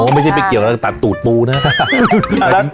ไม่ใช่ไปเกี่ยวอะไรกับตัดตูดปูนะ